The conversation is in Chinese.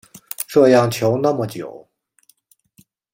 这样求那么久